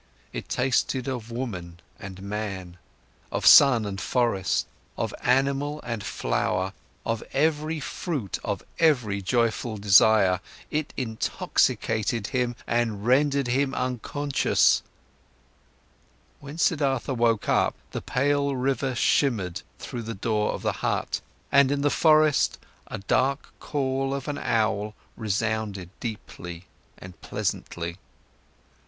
It tasted of woman and man, of sun and forest, of animal and flower, of every fruit, of every joyful desire. It intoxicated him and rendered him unconscious.—When Siddhartha woke up, the pale river shimmered through the door of the hut, and in the forest, a dark call of an owl resounded deeply and pleasantly.